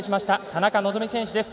田中希実選手です。